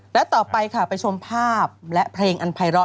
แล้วต่อไปค่ะไปชมภาพและเพลงอันไพระ